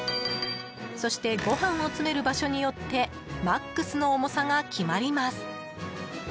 そしてご飯を詰める場所によってマックスの重さが決まります。